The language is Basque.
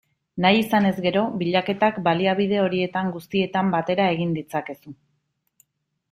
Nahi izanez gero, bilaketak baliabide horietan guztietan batera egin ditzakezu.